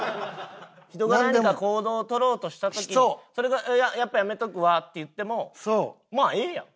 人が何か行動をとろうとした時にそれはやっぱやめとくわって言ってもまあええやん。